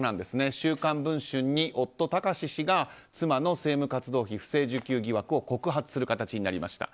「週刊文春」に夫・貴志氏が妻の政務活動費、不正受給疑惑を告発する形になりました。